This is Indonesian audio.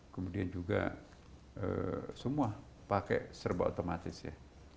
kemudian juga semua pakai serba otomatis ya